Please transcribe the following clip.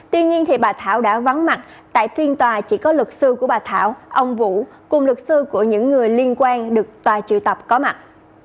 tuy nhiên bà thảo đã vắng mặt tại phiên tòa chỉ có luật sư của bà thảo ông vũ cùng luật sư của những người liên quan được tòa triệu tập có mặt